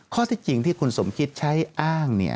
ข้อที่จริงที่คุณสมคิดใช้อ้าง